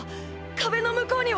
壁の向こうには。